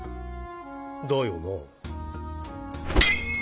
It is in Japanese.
だよな。